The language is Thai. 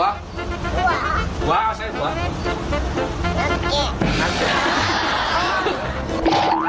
หัวเอาใช่หัว